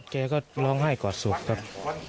เก้อก็ร้องให้ก่อสุกครับ